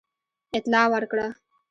اطلاع ورکړه.